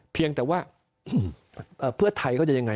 เพียงแต่ว่าเพื่อไทยเขาจะยังไง